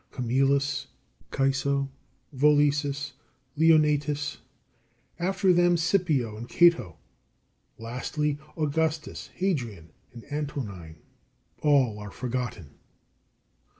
Camillus, Caeso, Volesus, Leonnatus; after them Scipio and Cato; lastly, Augustus, Hadrian, and Antonine all are forgotten.